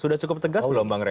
sudah cukup tegas belum bang rey